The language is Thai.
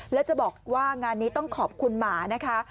แล้วจะบอกว่างานนี้ต้องขอบคุณหมานะคะ